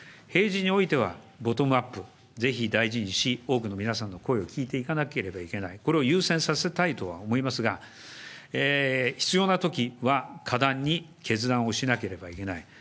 平時においてはボトムアップ、ぜひ大事にし、多くの皆さんの声を聞いていかなければいけない、これを優先させたいとは思いますが、必要なときは果断に決断をしなければいけない。